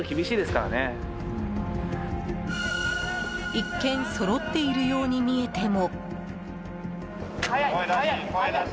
一見そろっているように見えても。